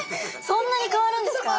そんなに変わるんですか！？